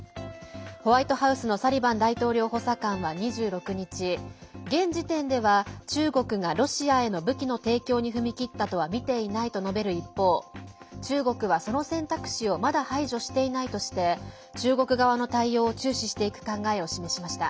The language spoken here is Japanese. ホワイトハウスのサリバン大統領補佐官は２６日現時点では、中国がロシアへの武器の提供に踏み切ったとはみていないと述べる一方中国は、その選択肢をまだ排除していないとして中国側の対応を注視していく考えを示しました。